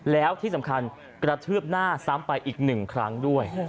แล้วที่สำคัญกระทืบหน้าซ้ำไปอีก๑ครั้งด้วย